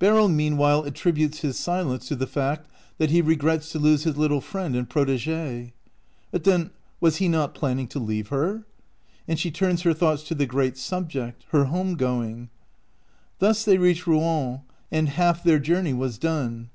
Beryl meanwhile attributes his silence to the fact that he regrets to lose his little friend and protegee. But then was he not planning to leave her? and she turns her thoughts to the great subject — her home going. Thus they reached Rouen, and halt their journey was done.